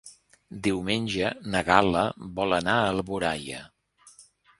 Diumenge na Gal·la vol anar a Alboraia.